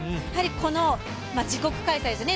この自国開催ですね